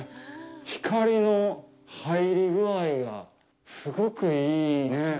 光の入り具合がすごくいいね。